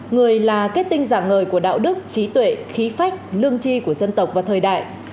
người là kết tinh giản ngời của đạo đức trí tuệ khí phách lương tri của dân tộc và thời đại